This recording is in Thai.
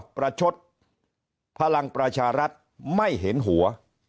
ประชดพลังประชารัฐไม่เห็นหัว